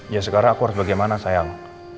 ya sekarang aku harus bagaimana sayang